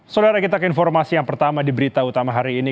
saudara kita ke informasi yang pertama di berita utama hari ini